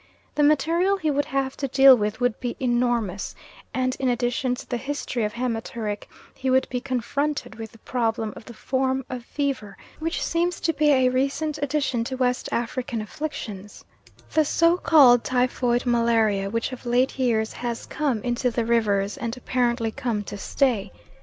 The material he would have to deal with would be enormous, and in addition to the history of haematuric he would be confronted with the problem of the form of fever which seems to be a recent addition to West African afflictions, the so called typhoid malaria, which of late years has come into the Rivers, and apparently come to stay.